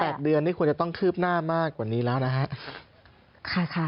เดือนนี่ควรจะต้องคืบหน้ามากกว่านี้แล้วนะฮะค่ะ